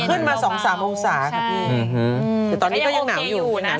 ขึ้นมาสองสามอุตสาห์ครับแต่ตอนนี้ก็ยังหนาวอยู่